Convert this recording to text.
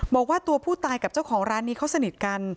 บอกว่าตัวผู้ตายกับเจ้าของร้านนี้เขาสนิทกัน